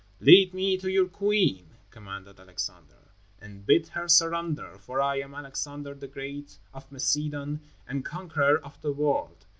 "Lead me to your queen," commanded Alexander, "and bid her surrender, for I am Alexander, the Great, of Macedon, and conqueror of the world.